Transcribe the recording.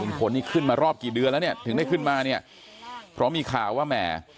คนนี้ขึ้นมารอบกี่เดือนแล้วเนี่ยถึงได้ขึ้นมาเนี่ยเพราะมีข่าวว่าแหม